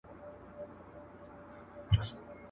چي خداى ئې در کوي، بټل ئې يار دئ.